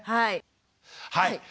はい。